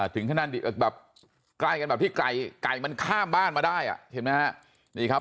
ถึงแค่นั้นใกล้กันแบบที่ไก่ไก่มันข้ามบ้านมาได้เห็นไหมครับ